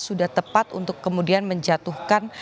sudah tepat untuk kemudian menjatuhkan